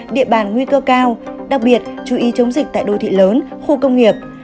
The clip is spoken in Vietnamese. địa bàn nguy cơ cao đặc biệt chú ý chống dịch tại đô thị lớn khu công nghiệp